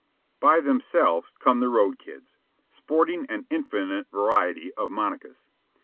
By themselves come the road kids, sporting an infinite variety of monicas.